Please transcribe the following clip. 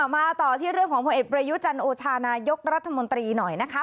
มาต่อที่เรื่องของผลเอกประยุจันโอชานายกรัฐมนตรีหน่อยนะคะ